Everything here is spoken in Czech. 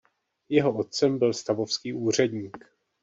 Jeho otcem byl stavovský úředník.